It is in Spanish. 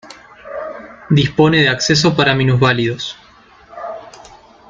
Dispone de acceso para minusválidos.